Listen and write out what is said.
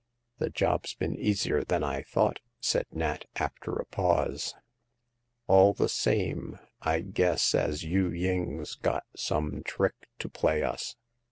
The job's been easier than I thought,'' said Nat, after a pause. " All the same, I guess as Yu ying*s got some trick to play us.'